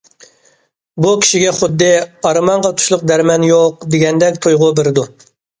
بۇ كىشىگە خۇددى‹‹ ئارمانغا تۇشلۇق دەرمان يوق›› دېگەندەك تۇيغۇ بېرىدۇ.